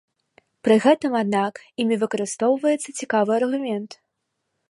Пры гэтым, аднак, імі выкарыстоўваецца цікавы аргумент.